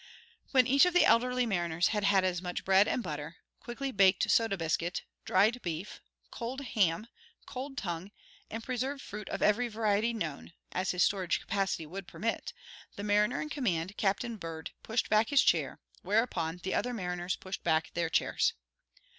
When each of the elderly mariners had had as much bread and butter, quickly baked soda biscuit, dried beef, cold ham, cold tongue, and preserved fruit of every variety known, as his storage capacity would permit, the mariner in command, Captain Bird, pushed back his chair, whereupon the other mariners pushed back their chairs.